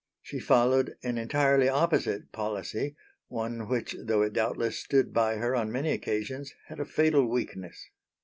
She followed an entirely opposite policy, one which though it doubtless stood by her on many occasions had a fatal weakness.